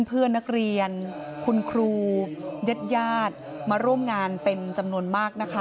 เพื่อนนักเรียนคุณครูญาติญาติมาร่วมงานเป็นจำนวนมากนะคะ